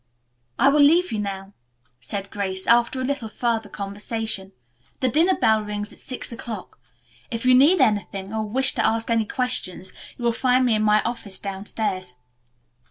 "I will leave you now," said Grace, after a little further conversation. "The dinner bell rings at six o'clock. If you need anything, or wish to ask any questions, you will find me in my office downstairs.